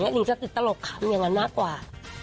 นิงจะติดตลกคำอย่างนั้นมากกว่า